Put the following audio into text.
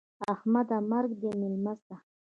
احمده! مرګ دې مېلمه سه.